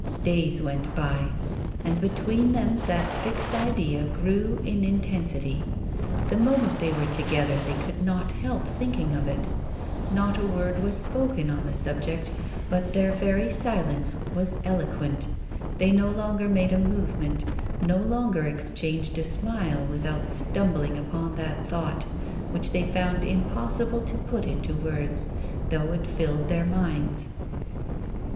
Days went by, and between them that fixed idea grew in intensity. The moment they were together they could not help thinking of it. Not a word was spoken on the subject, but their very silence was eloquent; they no longer made a movement, no longer exchanged a smile without stumbling upon that thought, which they found impossible to put into words, though it filled their minds.